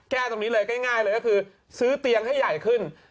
แก้ตรงนี้เลยง่ายเลยก็คือซื้อเตียงให้ใหญ่ขึ้น